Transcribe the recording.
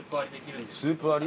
スープ割り？